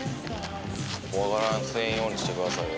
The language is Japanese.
「怖がらせんようにしてくださいよ」